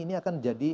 ini akan jadi